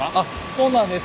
そうなんです。